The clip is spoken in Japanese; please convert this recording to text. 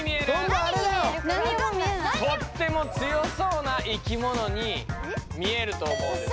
とっても強そうな生きものに見えると思うんです。